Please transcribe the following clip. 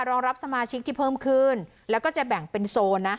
รองรับสมาชิกที่เพิ่มขึ้นแล้วก็จะแบ่งเป็นโซนนะ